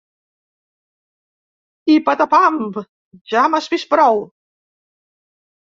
I patapam, ja m'has vist prou.